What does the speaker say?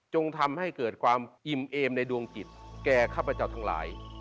ทำให้เกิดความอิ่มเอมในดวงจิตแก่ข้าพเจ้าทั้งหลาย